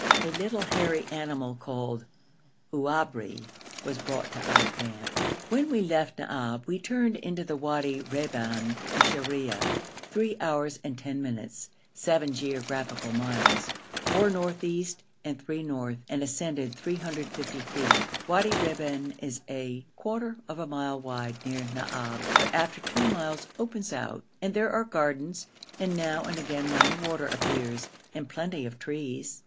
A little hairy animal called ouabri was brought to our camp. [Illustration: FADHLI AT SHARIAH, WADI REBAN, WITH CURIOUS SANDAL] When we left Naab we turned into the Wadi Reban to Shariah three hours and ten minutes, seven geographical miles, four north east and three north and ascended 350 feet. Wadi Reban is a quarter of a mile wide near Naab, but after two miles opens out; and there are gardens, and now and again running water appears, and plenty of trees.